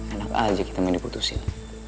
enak aja kita mau diputusin